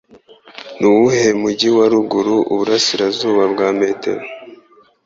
Nuwuhe mujyi wa ruguru uburasirazuba bwa Metro?